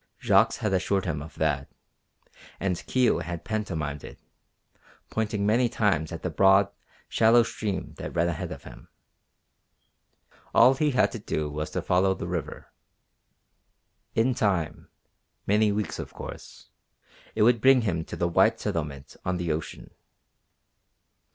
Jacques had assured him of that, and Kio had pantomimed it, pointing many times at the broad, shallow stream that ran ahead of him. All he had to do was to follow the river. In time, many weeks, of course, it would bring him to the white settlement on the ocean.